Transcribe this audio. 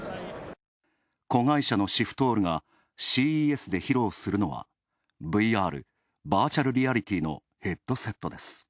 子会社のシフトールがＣＥＳで披露するのはＶＲ＝バーチャルリアリティーのヘッドセットです。